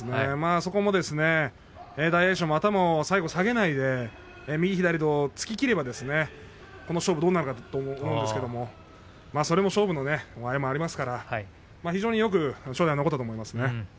そこも大栄翔も頭を最後、下げないで右左と突ききればこの勝負、どうなったかと思うんですけれどもそれも勝負のあれもありますから非常によく正代残ったと思います。